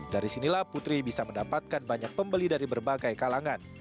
dari sinilah putri bisa mendapatkan banyak pembeli dari berbagai kalangan